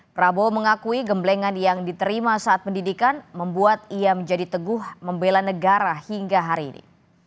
prabowo mengakui gemblengan yang diterima saat pendidikan membuat ia menjadi teguh membela negara hingga hari ini